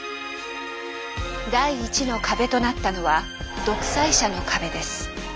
第１の壁となったのは「独裁者の壁」です。